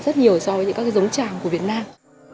rất nhiều so với các giống chảm của việt nam